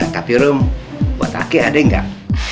tapi rom buat aki ada enggak